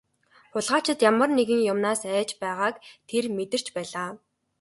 Хулгайлагчид ямар нэгэн юмнаас айж байгааг тэр мэдэрч байлаа.